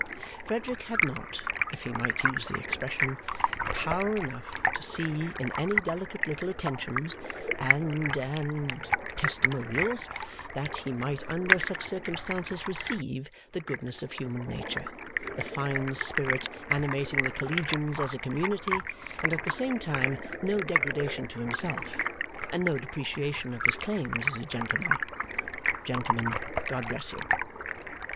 Frederick had not (if he might use the expression) Power enough to see in any delicate little attentions and and Testimonials that he might under such circumstances receive, the goodness of human nature, the fine spirit animating the Collegians as a community, and at the same time no degradation to himself, and no depreciation of his claims as a gentleman. Gentlemen, God bless you!